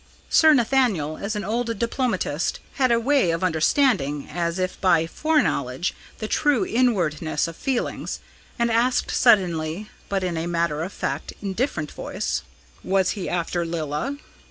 Sir Nathaniel, as an old diplomatist, had a way of understanding, as if by foreknowledge, the true inwardness of things, and asked suddenly, but in a matter of fact, indifferent voice: "Was he after Lilla?"